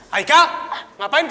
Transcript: hai kak ngapain kak